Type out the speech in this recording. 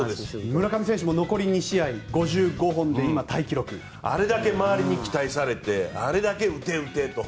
村上選手も残り２試合５５本であれだけ周りに期待されてあれだけ打て打てと。